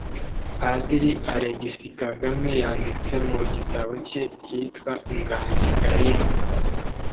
padiri alegisi kagame yanditsemu gitabocye cyitwa inganji kalinga